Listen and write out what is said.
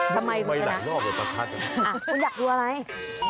ทำไมคุณจะนักไม่ได้รอบกับประทัด